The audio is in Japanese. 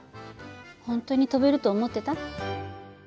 本当に飛べると思ってた？